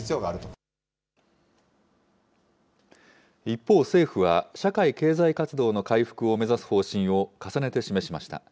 一方、政府は社会経済活動の回復を目指す方針を重ねて示しました。